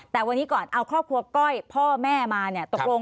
แต่วันนี้ก่อนเอาครอบครัวก้อยพ่อแม่มาเนี่ยตกลง